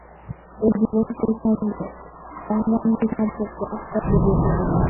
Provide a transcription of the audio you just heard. এ-জীবনটির সঙ্গে অঙ্গাঙ্গী সম্পর্কে আত্মা জড়িয়ে পড়েছে।